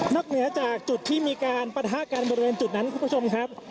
เหนือจากจุดที่มีการปะทะกันบริเวณจุดนั้นคุณผู้ชมครับ